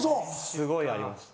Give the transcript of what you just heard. すごいありました。